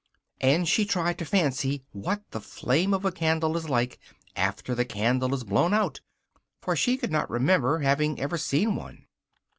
and she tried to fancy what the flame of a candle is like after the candle is blown out, for she could not remember having ever seen one.